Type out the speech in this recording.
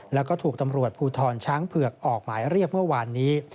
แล้วก็ถูกตำรวจภูทรช้างเผือกออกหมายเรียกเมื่อวานนี้